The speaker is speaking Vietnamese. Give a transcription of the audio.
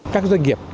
các doanh nghiệp